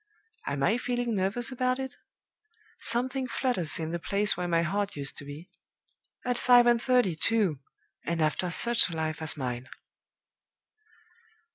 Am I feeling nervous about it? Something flutters in the place where my heart used to be. At five and thirty, too! and after such a life as mine!"